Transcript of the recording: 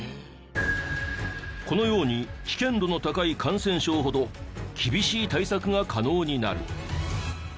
このように危険度の高い感染症ほど厳しい対策が可能になる。